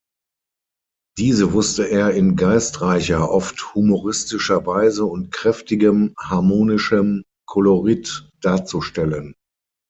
Diese wusste er in geistreicher, oft humoristischer Weise und kräftigem, harmonischem Kolorit darzustellen.